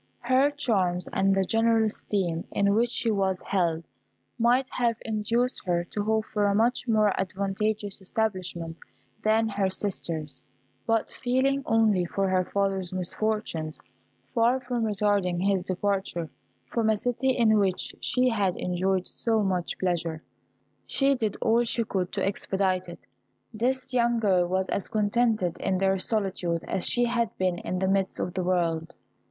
Her charms, and the general esteem in which she was held, might have induced her to hope for a much more advantageous establishment than her sisters; but feeling only for her father's misfortunes, far from retarding his departure from a city in which she had enjoyed so much pleasure, she did all she could to expedite it. This young girl was as contented in their solitude as she had been in the midst of the world.